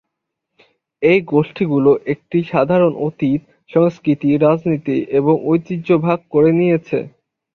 এই গোষ্ঠীগুলি একটি সাধারণ অতীত, সংস্কৃতি, রীতিনীতি এবং ঐতিহ্য ভাগ করে নিয়েছে।